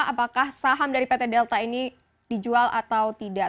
apakah saham dari pt delta ini dijual atau tidak